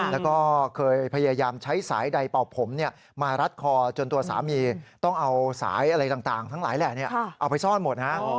แล้วก็เคยพยายามใช้สายใดเป่าผมมารัดคอจนตัวสามีต้องเอาสายอะไรต่างทั้งหลายแหละเอาไปซ่อนหมดนะ